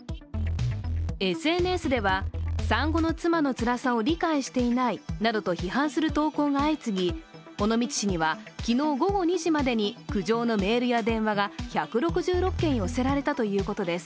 ＳＮＳでは産後の妻のつらさを理解していないなどと批判する投稿が相次ぎ、尾道市には昨日午後２時までに苦情のメールや電話が１６６件寄せられたということです。